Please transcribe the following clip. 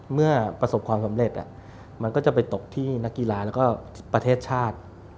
เมื่อประสบความสำเร็จมันก็จะไปตกที่นักกีฬาแล้วก็ประเทศชาติ